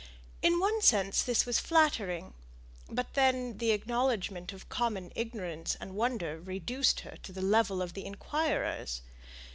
In one sense this was flattering; but then the acknowledgment of common ignorance and wonder reduced her to the level of the inquirers.